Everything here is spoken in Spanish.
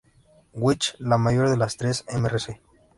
Which, la mayor de las tres "Mrs.